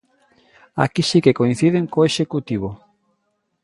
Aquí si que coinciden co executivo.